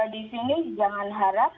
di sini jangan harap